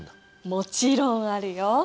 もちろんあるよ。